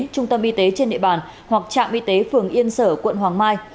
trung tâm y tế trên địa bàn hoặc trạm y tế phường yên sở quận hoàng mai